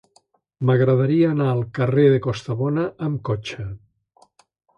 M'agradaria anar al carrer de Costabona amb cotxe.